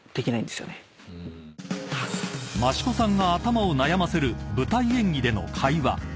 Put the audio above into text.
［増子さんが頭を悩ませる舞台演技での会話］